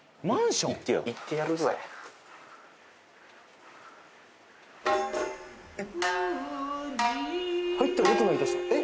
マンションか行ってよ